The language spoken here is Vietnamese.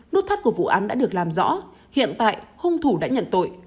nút thắt của vụ án đã được làm rõ hiện tại hung thủ đã nhận tội